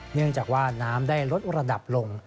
เนื่องจากว่าน้ำได้ลดระดับลง